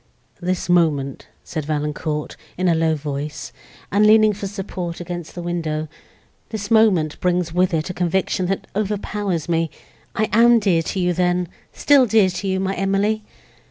"This moment," said Valancourt, in a low voice, and leaning for support against the window—"this moment brings with it a conviction that overpowers me!—I am dear to you then—still dear to you, my Emily!"